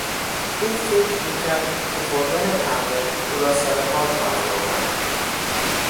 او فکر میکرد که خوردن قهوه او را سرحال خواهد آورد.